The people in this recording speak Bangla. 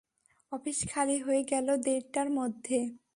অফিস খালি হয়ে গেল দেড়টার মধ্যে।